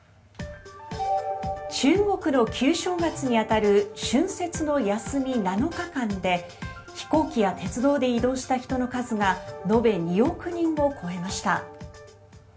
中国の旧正月に当たる春節の休み７日間で飛行機や鉄道で移動した人の数が延べ２億人を超えました。